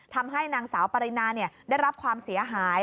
ทำให้นางสาวปรินาได้รับความเสียหาย